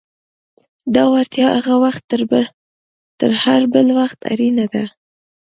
دا وړتیا هغه وخت تر هر بل وخت اړینه ده.